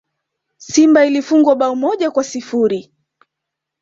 Simba ilifungwa bao moja kwa sifuri